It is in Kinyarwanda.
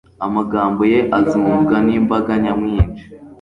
Amagambo ye azumvwa nimbaga nyamwinshi